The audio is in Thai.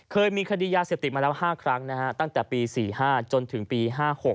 เคยมีคดียาเสพติดมาแล้ว๕ครั้งตั้งแต่ปี๔๕จนถึงปี๕๖